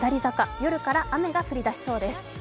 夜から雨が降りだしそうです。